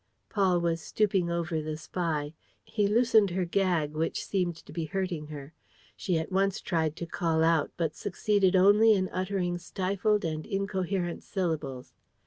Paul was stooping over the spy. He loosened her gag, which seemed to be hurting her. She at once tried to call out, but succeeded only in uttering stifled and incoherent syllables.